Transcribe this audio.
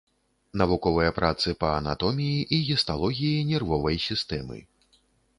Навуковыя працы па анатоміі і гісталогіі нервовай сістэмы.